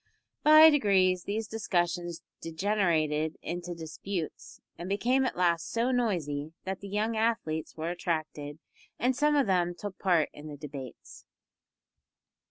By degrees these discussions degenerated into disputes, and became at last so noisy that the young athletes were attracted, and some of them took part in the debates.